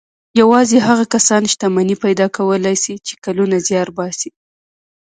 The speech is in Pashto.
يوازې هغه کسان شتمني پيدا کولای شي چې کلونه زيار باسي.